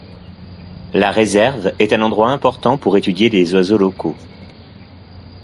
La réserve est un endroit important pour étudier les oiseaux locaux.